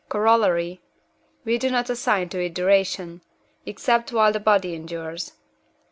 Coroll.), we do not assign to it duration, except while the body endures.